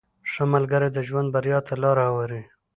• ښه ملګری د ژوند بریا ته لاره هواروي.